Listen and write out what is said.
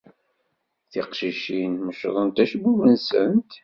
Tiqcicin meccḍent acebbub-nsent.